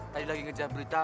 tadi lagi ngejahat berita